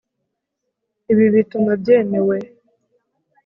Ibi bituma byemewe